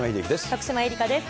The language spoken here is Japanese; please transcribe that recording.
徳島えりかです。